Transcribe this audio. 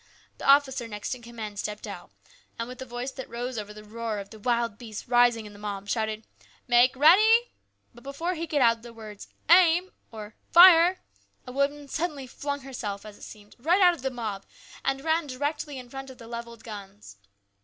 The officer next in command stepped out, and in a voice that rose over the roar of the wild beast rising in the mob, shouted, " Make ready !" But before he could add the words " aim," or " fire," a woman suddenly flung herself, as it seemed, right out of the mob and ran up directly in front of the levelled guns.